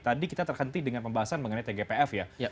tadi kita terhenti dengan pembahasan mengenai tgpf ya